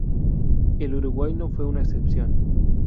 El Uruguay no fue una excepción.